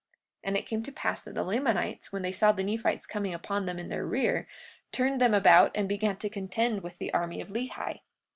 43:36 And it came to pass that the Lamanites, when they saw the Nephites coming upon them in their rear, turned them about and began to contend with the army of Lehi.